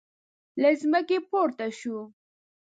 له ځمکې پورته شو.